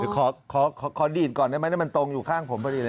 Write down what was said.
ขอดีดก่อนได้ไหมมันตรงอยู่ข้างผมพอดีเลย